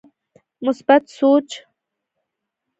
مثبت سوچ